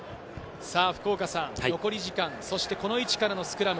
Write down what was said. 残り時間、そしてこの位置からのスクラム。